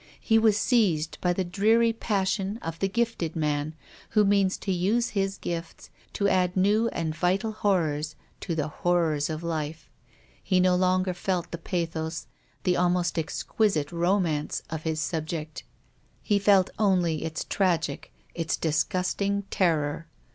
He was seized by the dreary pas sion of the gifted man who means to use his^gifts to add new and vital horrors to the horrors of life. He no longer felt the pathos, the almost exquisite romance, of his subject. He felt only its tragic, its disgusting terror.